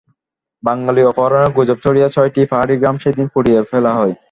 বাঙালি অপহরণের গুজব ছড়িয়ে ছয়টি পাহাড়ি গ্রাম সেদিন পুড়িয়ে ফেলা হয়।